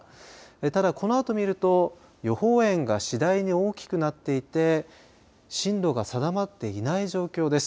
ただ、このあと見ると予報円が次第に大きくなっていて進路が定まっていない状況です。